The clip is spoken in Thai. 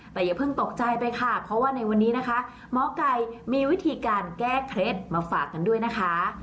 แต่อย่าเพิ่งตกใจไปค่ะเพราะว่าในวันนี้นะคะหมอไก่มีวิธีการแก้เคล็ดมาฝากกันด้วยนะคะ